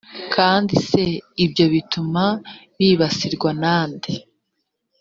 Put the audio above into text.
kandi se ibyo bituma bibasirwa na nde ?